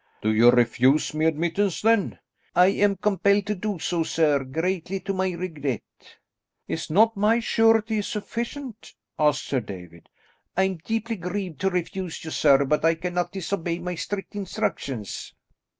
"Do you refuse me admittance then?" "I am compelled to do so, sir, greatly to my regret." "Is not my surety sufficient?" asked Sir David. "I am deeply grieved to refuse you, sir, but I cannot disobey my strict instructions."